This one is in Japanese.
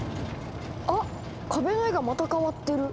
あっ壁の絵がまた変わってる。